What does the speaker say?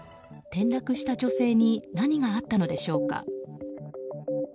転落した女性に何があったのでしょうか。